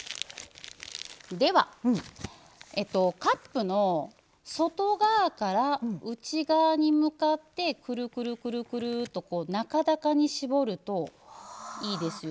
では、カップの外側から内側に向かって、くるくると中高に絞るといいですよ。